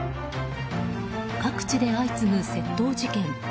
各地で相次ぐ窃盗事件。